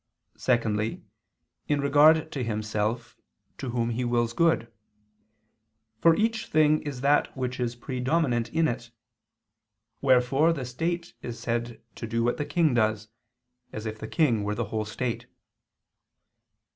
Secondly, in regard to himself, to whom he wills good. For each thing is that which is predominant in it; wherefore the state is said to do what the king does, as if the king were the whole state.